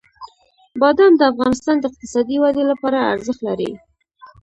بادام د افغانستان د اقتصادي ودې لپاره ارزښت لري.